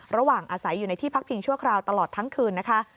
ระหว่างอาศัยอยู่ในที่พักพิงชั่วคราวตลอดทั้งคืนนะคะ